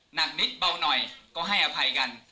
หนักนิดเบาหน่อยก็ให้อภัยกัน